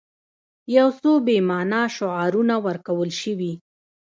یو څو بې معنا شعارونه ورکړل شوي.